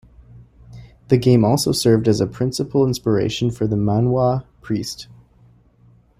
The game also served as a principal inspiration for the manhwa "Priest".